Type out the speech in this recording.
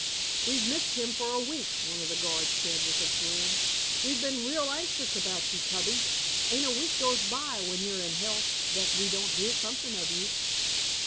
"We've missed him for a week," one of the guards said with a grin. "We've been real anxious about you, Tubby. Ain't a week goes by, when you're in health, that we don't hear something of you."